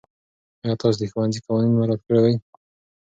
آیا تاسو د ښوونځي قوانین مراعات کوئ؟